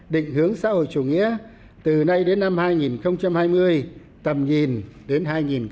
định hướng xã hội chủ nghĩa từ nay đến năm hai nghìn hai mươi tầm nhìn đến hai nghìn ba mươi